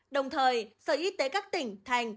đồng thời sở y tế các tỉnh thành